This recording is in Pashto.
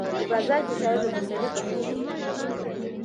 د بازار فشارونه به سړی پخوي.